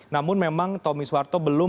namun memang tommy soeharto belum